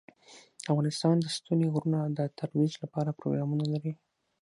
افغانستان د ستوني غرونه د ترویج لپاره پروګرامونه لري.